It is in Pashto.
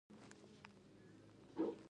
نرسې وویل: هغه پر لار دی، ژر به راورسېږي.